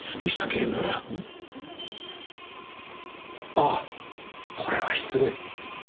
ああこれは失礼。